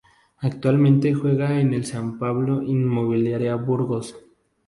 Actualmente juega en el San Pablo Inmobiliaria Burgos.